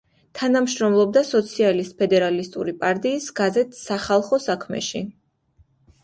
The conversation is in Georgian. თანამშრომლობდა სოციალისტ-ფედერალისტური პარტიის გაზეთ „სახალხო საქმეში“.